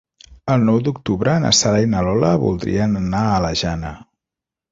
El nou d'octubre na Sara i na Lola voldrien anar a la Jana.